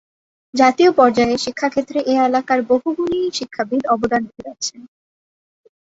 জাতীয় পর্যায়ে শিক্ষাক্ষেত্রে এই এলাকার বহু গুণী শিক্ষাবিদ অবদান রেখে যাচ্ছেন।